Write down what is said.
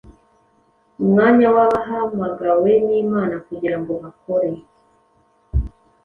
Umwanya w’abahamagawe n’Imana kugira ngo bakore